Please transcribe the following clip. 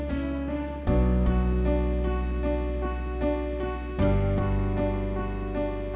semoga mamanya cepet sembuh